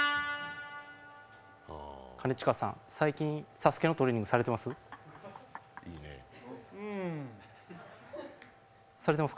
兼近さん、最近、「ＳＡＳＵＫＥ」のトレーニングされてます？